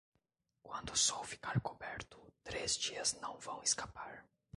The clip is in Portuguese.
Quando o sol ficar coberto, três dias não vão escapar.